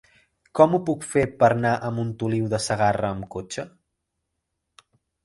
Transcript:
Com ho puc fer per anar a Montoliu de Segarra amb cotxe?